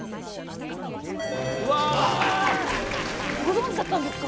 ご存じだったんですか？